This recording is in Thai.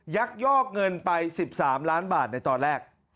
ยักยอกเงินไป๑๓ล้านบาทในตอนแรก